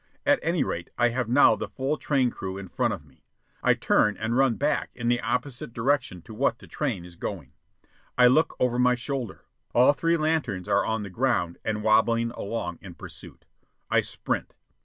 At any rate I have now the full train crew in front of me. I turn and run back in the opposite direction to what the train is going. I look over my shoulder. All three lanterns are on the ground and wobbling along in pursuit. I sprint.